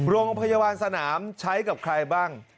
โรงพยาบาลสนามใช้กับใครบ้าง